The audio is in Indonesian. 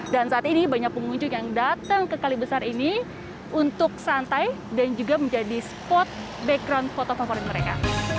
dan saat ini banyak pengunjung yang datang ke kalibesar ini untuk santai dan juga menjadi spot background foto favorit mereka